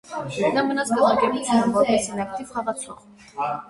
Նա մնաց կազմակերպությունում որպես ինակտիվ խաղացող։